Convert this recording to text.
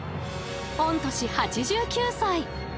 御年８９歳。